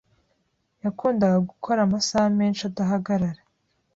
Yakundaga gukora amasaha menshi adahagarara.